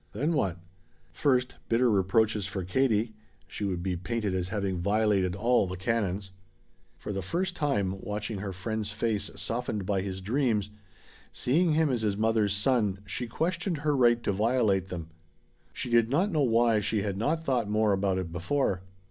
Then what? First, bitter reproaches for Katie. She would be painted as having violated all the canons. For the first time, watching her friend's face softened by his dreams, seeing him as his mother's son, she questioned her right to violate them. She did not know why she had not thought more about it before.